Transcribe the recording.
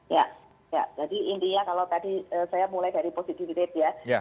ya jadi intinya kalau tadi saya mulai dari positivity rate ya